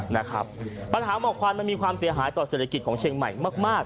นะครับปัญหาหมอกควันมันมีความเสียหายต่อเศรษฐกิจของเชียงใหม่มากมาก